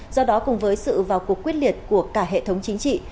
do đó cùng với sự vào cuộc quyết liệt của cả hệ thống chống dịch